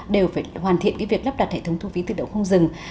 đều phải hoàn thiện việc lắp đặt hệ thống thu phí tự động không dừng